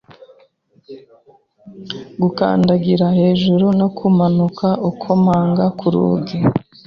gukandagira hejuru no kumanuka ukomanga ku rugi